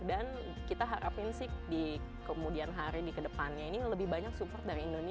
dan kita harapin sih di kemudian hari di kedepannya ini lebih banyak support dari indonesia